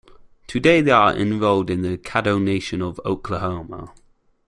Today they are enrolled in the Caddo Nation of Oklahoma.